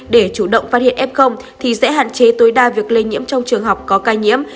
để chủ động phát hiện f thì sẽ hạn chế tối đa việc lây nhiễm trong trường học có ca nhiễm